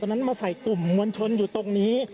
นั้นมาใส่กลุ่มมวลชนอยู่ตรงนี้